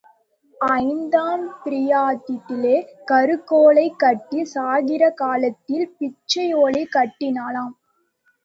ஐம்பதாம் பிராயத்திலே கருக்கோலை கட்டிச் சாகிற காலத்தில் பிச்சோலை கட்டினாளாம்.